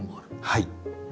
はい。